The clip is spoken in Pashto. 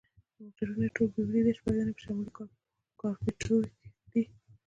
موټرونه یې ټول بیولي دي، شپږ دانې په شمالي کارپوریتو کې دي.